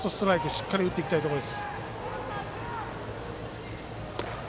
しっかり打っていきたいところ。